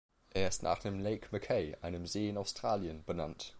Er ist nach dem "Lake Mackay", einem See in Australien, benannt.